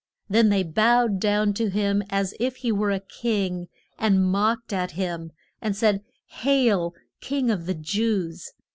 Then they bowed down to him, as if he were a king, and mocked at him and said, Hail, King of the Jews!